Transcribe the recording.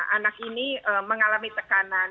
anak ini mengalami tekanan